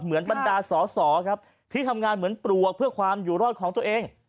บรรดาสอสอครับที่ทำงานเหมือนปลวกเพื่อความอยู่รอดของตัวเอง